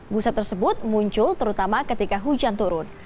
busa tersebut muncul terutama ketika hujan turun